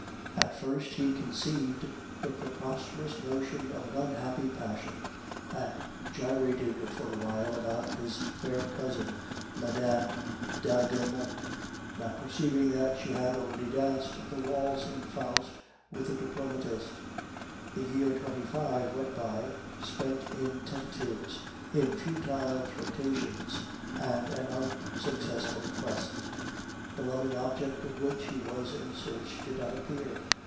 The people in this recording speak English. "At first he conceived the preposterous notion of an unhappy passion, and gyrated for a while about his fair cousin, Mme. d'Aiglemont, not perceiving that she had already danced the waltz in Faust with a diplomatist. The year '25 went by, spent in tentatives, in futile flirtations, and an unsuccessful quest. The loving object of which he was in search did not appear.